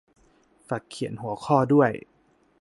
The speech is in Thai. ฝากเขียนหัวข้อด้วย